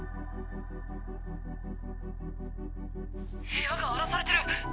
「部屋が荒らされてる！」